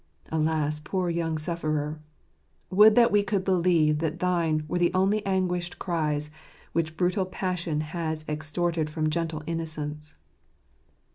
Alas, poor young sufferer ! Would that we could believe that thine were the only anguished cries which brutal passion has extorted from gentle innocence